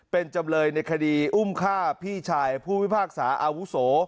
เป็นจำเลยในคดีอุ้มฆ่าพี่ชายผู้พิพากษาอาวุโส